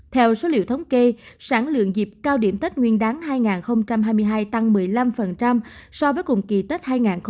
theo số liệu thống kê sản lượng dịp cao điểm tết nguyên đáng hai nghìn hai mươi hai tăng một mươi năm so với cùng kỳ tết hai nghìn hai mươi ba